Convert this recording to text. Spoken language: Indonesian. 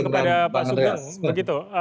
kepada pak sugeng